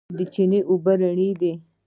د چینو اوبه رڼې دي